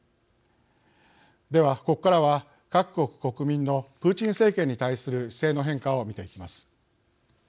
ではここからは各国国民のプーチン政権に対する姿勢の変化を見ていきます。